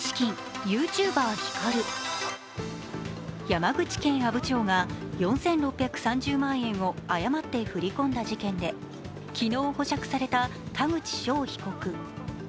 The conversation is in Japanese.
山口県阿武町が４６３０万円を誤って振り込んだ事件で、昨日保釈された田口翔被告。